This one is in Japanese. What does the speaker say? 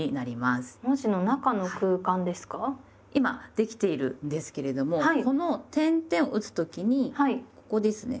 今できているんですけれどもこの点々を打つ時にここですね。